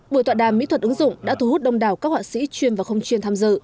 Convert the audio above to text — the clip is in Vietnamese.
buổi tọa đàm mỹ thuật ứng dụng đã thu hút đông đảo các họa sĩ chuyên và không chuyên tham dự